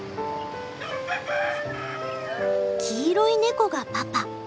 黄色いネコがパパ。